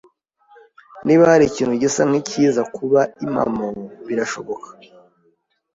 Niba hari ikintu gisa nkicyiza kuba impamo, birashoboka.